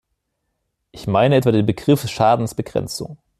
Ich meine etwa den Begriff Schadensbegrenzung.